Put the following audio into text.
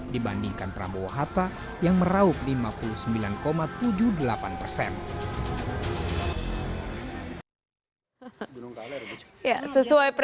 dibandingkan prabowo hatta yang meraup lima puluh sembilan tujuh puluh delapan persen